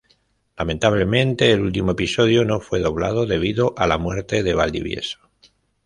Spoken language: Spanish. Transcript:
Lamentablemente el último episodio no fue doblado debido a la muerte de Valdivieso.